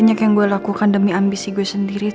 banyak yang gue lakukan demi ambisi gue sendiri